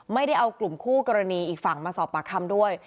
ไม่ได้เอากลุ่มคู่กรณีอีกฝั่งมาสอบปากคำด้วย